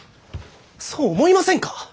そう思いませんか？